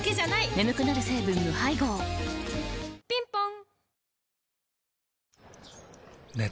眠くなる成分無配合ぴんぽん